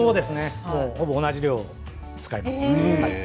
ほぼ同じ量を使います。